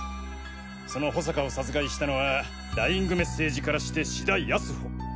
その保坂を殺害したのはダイイング・メッセージからして志田康保。